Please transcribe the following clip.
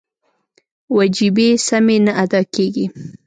وجیبې سمې نه ادا کېږي.